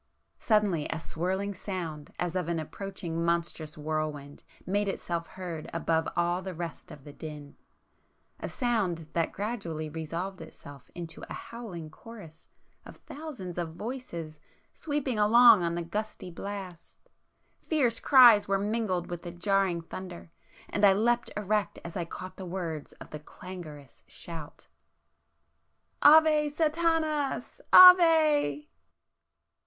Suddenly a swirling sound as of an approaching monstrous whirlwind made itself heard above all the rest of the din,—a sound that gradually resolved itself into a howling chorus of thousands of voices sweeping along on the gusty blast,——fierce cries were mingled with the jarring thunder, and I leapt erect as I caught the words of the clangorous shout— "Ave Sathanas! Ave!"